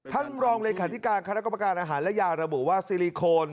ท่านรองเลขาธิการคณะกรรมการอาหารและยาระบุว่าซิลิโคน